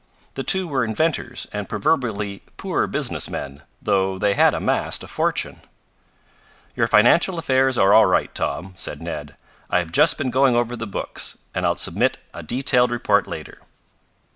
The two were inventors and proverbially poor business men, though they had amassed a fortune. "Your financial affairs are all right, Tom," said Ned. "I have just been going over the books, and I'll submit a detailed report later."